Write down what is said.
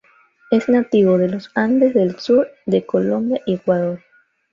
Es nativo de los Andes del sur de Colombia y Ecuador.